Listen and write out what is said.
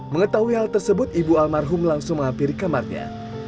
mengetahui hal tersebut ibu almarhum langsung menghampiri kamarnya